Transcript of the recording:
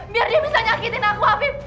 biar dia bisa nyakitin aku habib